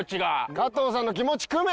加藤さんの気持ちくめ。